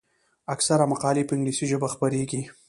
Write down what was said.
اکثره مقالې په انګلیسي ژبه خپریږي.